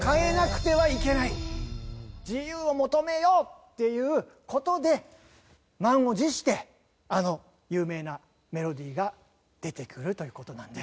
自由を求めようっていう事で満を持してあの有名なメロディが出てくるという事なんです。